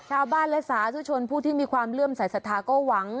ชาวบ้านและสาธุชนผู้ที่มีความเลื่อมสายศรัทธาก็หวัง